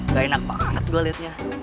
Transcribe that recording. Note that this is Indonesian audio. gak enak banget gue liatnya